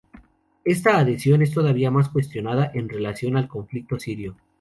Esta adhesión es todavía más cuestionada en relación al conflicto sirio.